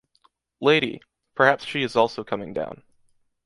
Lady! Perhaps she is also coming down...